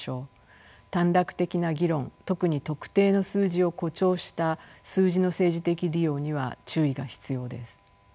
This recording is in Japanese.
短絡的な議論特に特定の数字を誇張した数字の政治的利用には注意が必要です。